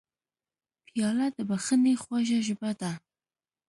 پیاله د بښنې خوږه ژبه ده.